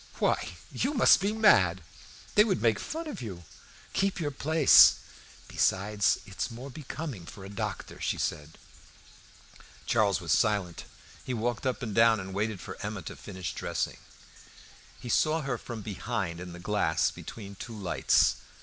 "Why, you must be mad! They would make fun of you; keep your place. Besides, it is more becoming for a doctor," she added. Charles was silent. He walked up and down waiting for Emma to finish dressing. He saw her from behind in the glass between two lights.